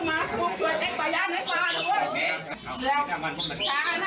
นายคือนิตนะ